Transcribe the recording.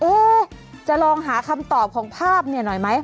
จะลองหาคำตอบของภาพเนี่ยหน่อยไหม